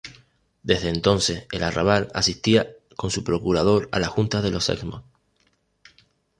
Desde entonces, el Arrabal asistía con su Procurador a las Juntas de los Sexmos..